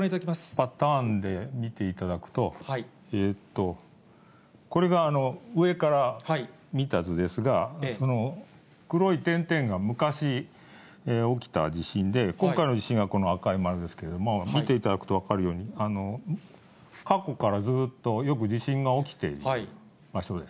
パターンで見ていただくと、これが上から見た図ですが黒い点々が昔、起きた地震で、今回の地震はこの赤い丸ですけれども、見ていただくと分かるように、過去からずーっとよく地震が起きている場所です。